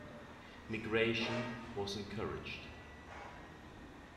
Migration was encouraged.